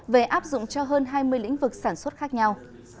về áp dụng cho hơn hai mươi lĩnh vực sản xuất khác nhau